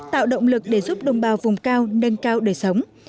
tạo động lực để giúp đồng bào vùng cao nâng cao đời sống